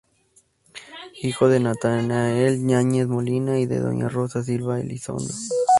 Hijo de Nathanael Yáñez Molina y de doña Rosa Silva Elizondo.